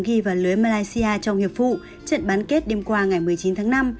ghi vào lưới malaysia trong nghiệp vụ trận bán kết đêm qua ngày một mươi chín tháng năm